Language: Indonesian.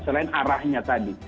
selain arahnya tadi